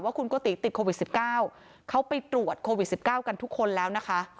คุณโกติติดโควิด๑๙เขาไปตรวจโควิด๑๙กันทุกคนแล้วนะคะ